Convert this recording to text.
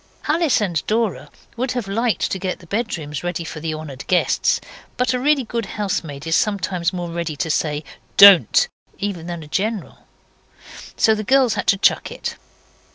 Alice and Dora would have liked to get the bedrooms ready for the honoured guests, but a really good housemaid is sometimes more ready to say 'Don't' than even a general. So the girls had to chuck it.